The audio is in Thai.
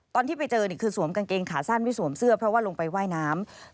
ตอนที่ไปเจอคือสวมกางเกงขาสั้นไม่สวมเสื้อเพราะว่าลงไปว่ายน้ำ